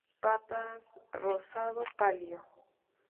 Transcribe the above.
Patas rosado pálido.